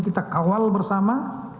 kita kawal bersama